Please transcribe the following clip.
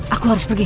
aku harus pergi